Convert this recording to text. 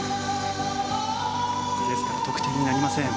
ですから得点になりません。